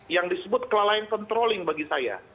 yang disebut kelalaian controlling bagi saya